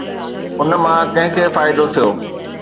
ان مان ڪنهن کي فائدو ٿيو؟